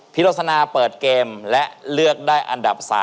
โรสนาเปิดเกมและเลือกได้อันดับ๓